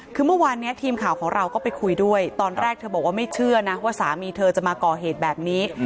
คือเมื่อวานนี้ทีมข่าวของเราก็ไปคุยด้วยตอนแรกเธอบอกว่าไม่เชื่อนะว่าสามีเธอจะมาก่อเหตุแบบนี้